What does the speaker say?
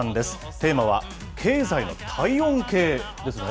テーマは経済の体温計ですね。